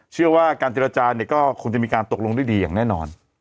เชื่อว่าการเจรจาเนี่ยก็คงจะมีการตกลงด้วยดีอย่างแน่นอน